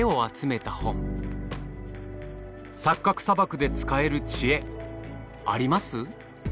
サッカク砂漠で使える知恵あります？